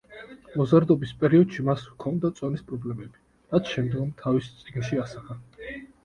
მოზარდობის პერიოდში მას ჰქონდა წონის პრობლემები, რაც შემდგომ თავის წიგნში ასახა.